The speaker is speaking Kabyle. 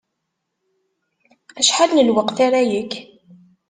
Acḥal n lweqt ara yekk?